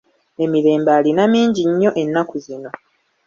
Emirembe alina mingi nnyo ennaku zino.